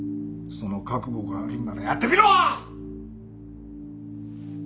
その覚悟があるんならやってみろ！